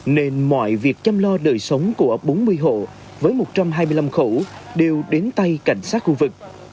nên mọi việc chăm lo đời sống của bốn mươi hộ với một trăm hai mươi năm khẩu đều đến tay cảnh sát khu vực